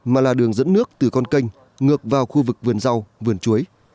mà là đường dẫn nước từ con canh ngược vào khu vực vườn rau vườn chuối